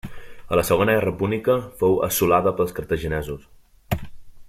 A la Segona Guerra Púnica fou assolada pels cartaginesos.